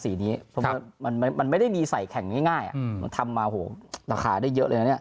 นี้เพราะว่ามันไม่ได้มีใส่แข่งง่ายมันทำมาโหราคาได้เยอะเลยนะเนี่ย